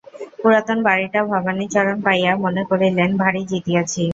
পুরাতন বাড়িটা ভবানীচরণ পাইয়া মনে করিলেন ভারি জিতিয়াছি।